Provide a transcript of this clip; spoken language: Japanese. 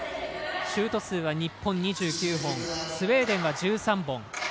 シュート数は日本２９本スウェーデンは１３本。